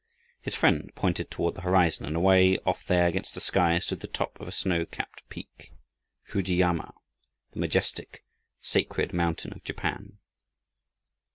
His friend pointed toward the horizon, and away off there against the sky stood the top of a snow capped peak Fujiyama! the majestic, sacred mountain of Japan!